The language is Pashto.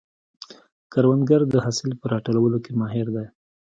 کروندګر د حاصل په راټولولو کې ماهر دی